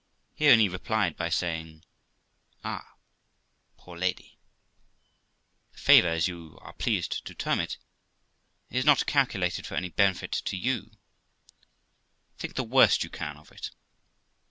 He only replied by saying Ah ! poor lady, the favour, as you are pleased to term it, is not calculated for any benefit to you; think the worst you can of it.'